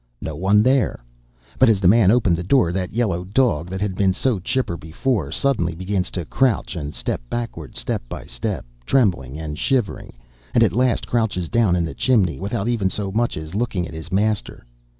No one there! But as the man opened the door, that yellow dog, that had been so chipper before, suddenly begins to crouch and step backward, step by step, trembling and shivering, and at last crouches down in the chimney, without even so much as looking at his master.